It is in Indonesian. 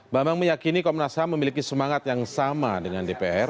bambang meyakini komnas ham memiliki semangat yang sama dengan dpr